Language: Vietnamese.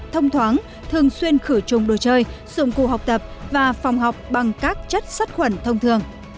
thông thoáng thường xuyên khử trùng đồ chơi dụng cụ học tập và phòng học bằng các chất sắt khuẩn thông thường